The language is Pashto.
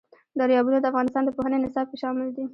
دریابونه د افغانستان د پوهنې نصاب کې شامل دي.